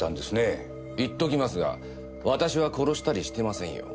言っときますが私は殺したりしてませんよ。